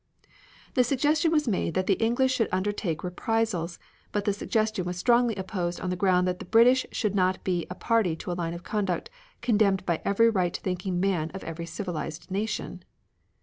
The suggestion was made that the English should undertake reprisals, but the suggestion was strongly opposed on the ground that the British should not be a "party to a line of conduct condemned by every right thinking man of every civilized nation."